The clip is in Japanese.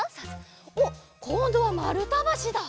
おっこんどはまるたばしだ。